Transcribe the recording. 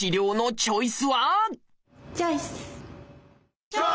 チョイス！